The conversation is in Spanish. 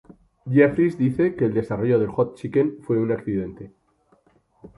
Jeffries dice que el desarrollo del "hot chicken" fue un accidente.